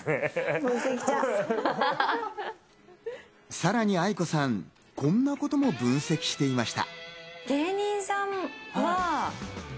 さらにａｉｋｏさん、こんなことも分析していました。